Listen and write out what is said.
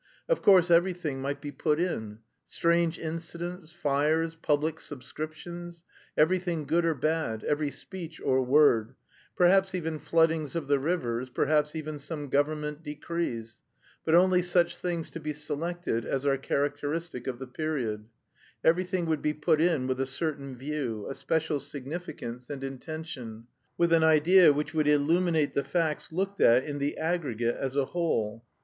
Of course everything might be put in: strange incidents, fires, public subscriptions, anything good or bad, every speech or word, perhaps even floodings of the rivers, perhaps even some government decrees, but only such things to be selected as are characteristic of the period; everything would be put in with a certain view, a special significance and intention, with an idea which would illuminate the facts looked at in the aggregate, as a whole.